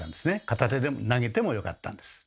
片手で投げてもよかったんです。